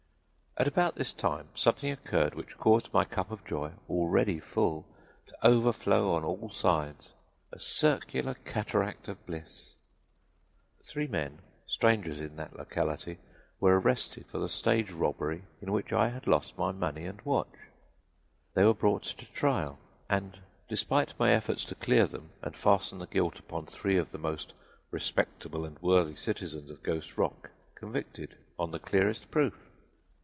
"At about this time something occurred which caused my cup of joy, already full, to overflow on all sides, a circular cataract of bliss. Three men, strangers in that locality, were arrested for the stage robbery in which I had lost my money and watch. They were brought to trial and, despite my efforts to clear them and fasten the guilt upon three of the most respectable and worthy citizens of Ghost Rock, convicted on the clearest proof.